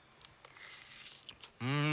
うん！